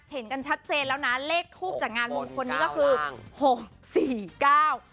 เห็นกันชัดเจนแล้วนะเลขทูปจากงานมงคลนี้ก็คือหกสี่เก้า